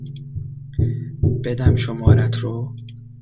بدم شمارهات رو؟